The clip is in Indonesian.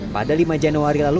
pada lima januari lalu